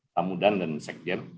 tamudan dan sekdir